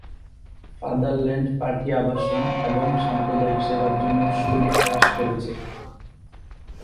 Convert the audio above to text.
Fatherland Party আবাসন এবং সাম্প্রদায়িক সেবার জন্য শুল্ক হ্রাস করেছে।